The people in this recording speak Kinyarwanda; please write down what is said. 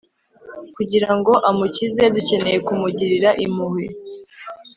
Kugira ngo amukize dukeneye kumugirira impuhwe